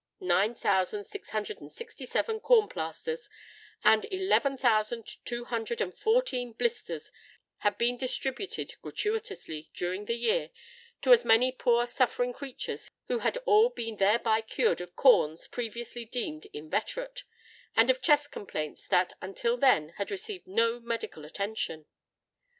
Nine thousand six hundred and sixty seven Corn Plasters and eleven thousand two hundred and fourteen Blisters had been distributed gratuitously, during the year, to as many poor suffering creatures, who had all been thereby cured of corns previously deemed inveterate, and of chest complaints that until then had received no medical attention.